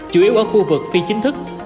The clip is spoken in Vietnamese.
chủ yếu ở khu vực phi chính thức